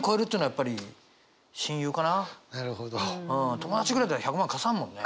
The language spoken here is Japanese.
友達ぐらい１００万貸さんもんね。